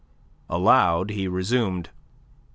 Aloud, he resumed: "M.